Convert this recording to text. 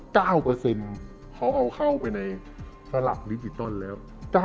เขาเอาเข้าไปในสลับลิฟต์อีกต้นแล้ว